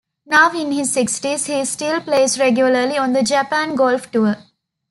Now in his sixties, he still plays regularly on the Japan Golf Tour.